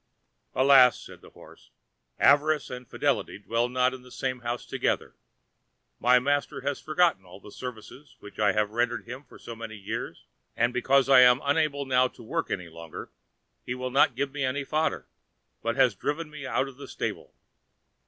"Alas!" said the horse, "avarice and fidelity dwell not in the same house together; my master has forgotten all the services which I have rendered him for so many years, and, because I am unable now to work any longer, he will not give me any fodder, but has driven me out of the stable."